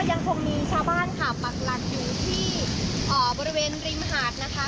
ยังคงมีชาวบ้านค่ะปักหลักอยู่ที่บริเวณริมหาดนะคะ